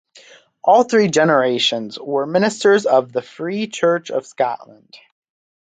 All three generations were ministers of the Free Church of Scotland.